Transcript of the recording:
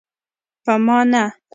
په ما نه.